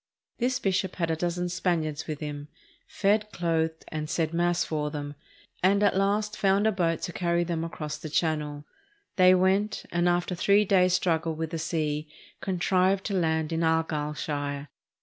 This bishop had a dozen Span iards with him, fed, clothed, and said Mass for them, and at last found a boat to carry them across the Chan nel. They went, and after a three days' struggle with the sea contrived to land in Argyllshire.